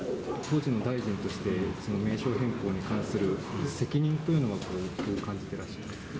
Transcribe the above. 当時の大臣として、その名称変更に関する責任というのは、どう感じていらっしゃいますか？